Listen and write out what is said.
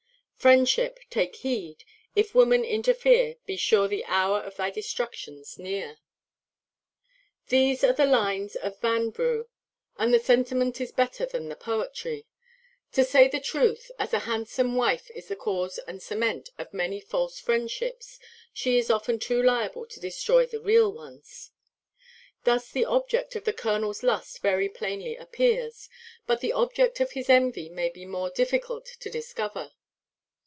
Friendship, take heed; if woman interfere, Be sure the hour of thy destruction's near. These are the lines of Vanbrugh; and the sentiment is better than the poetry. To say the truth, as a handsome wife is the cause and cement of many false friendships, she is often too liable to destroy the real ones. Thus the object of the colonel's lust very plainly appears, but the object of his envy may be more difficult to discover.